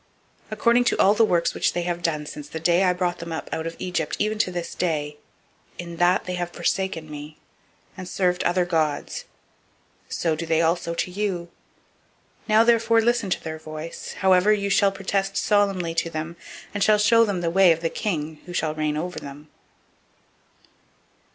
008:008 According to all the works which they have done since the day that I brought them up out of Egypt even to this day, in that they have forsaken me, and served other gods, so do they also to you. 008:009 Now therefore listen to their voice: however you shall protest solemnly to them, and shall show them the manner of the king who shall reign over them.